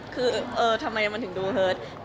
คือเออทำไมมันถึงดูเฮิต